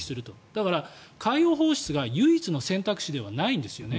だから、海洋放出が唯一の選択肢ではないんですね。